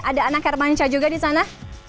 ada anak hermansyah juga disana